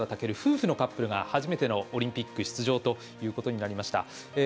尊、夫婦のカップルが初めてのオリンピック出場ということになりました。